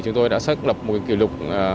chúng tôi đã xác lập một kỷ lục